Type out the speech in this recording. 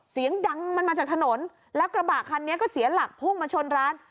เสียงดังมันมาจากถนนแล้วกระบะคันนี้ก็เสียหลักพุ่งมาชนร้าน